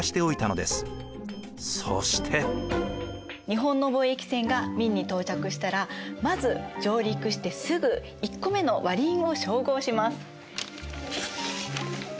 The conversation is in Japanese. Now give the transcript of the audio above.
日本の貿易船が明に到着したらまず上陸してすぐ１個目の割り印を照合します。